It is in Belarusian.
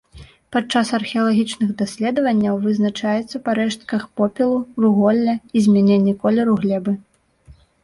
Падчас археалагічных даследаванняў вызначаецца па рэштках попелу, вуголля і змяненні колеру глебы.